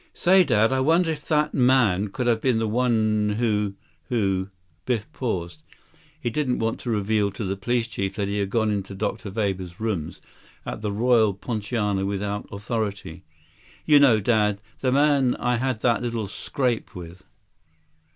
"Say, Dad, I wonder if that man could have been the one who—who—" Biff paused. He didn't want to reveal to the police chief that he had gone into Dr. Weber's rooms at the Royal Poinciana without authority. "You know, Dad. The man I had that little scrape with."